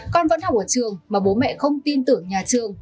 con vẫn học ở trường mà bố mẹ không tin tưởng nhà trường